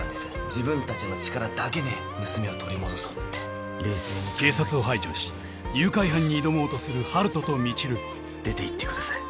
自分達の力だけで娘を取り戻そうって警察を排除し誘拐犯に挑もうとする温人と未知留出ていってください